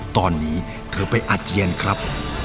ตอนนี้เธอไปอัดเยียนครับ